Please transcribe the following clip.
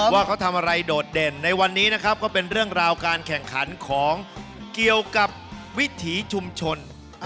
ว่าเขาทำอะไรโดดเด่นในวันนี้นะครับก็เป็นเรื่องราวการแข่งขันของเกี่ยวกับวิถีชุมชน